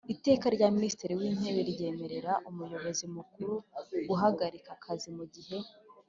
Iteka rya minisitiri w intebe ryemerera umuyobozi mukuru guhagarika akazi mu gihe